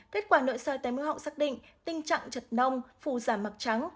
kết quả nội sơ tém mưa họng xác định tình trạng chật nông phù giảm mặt trắng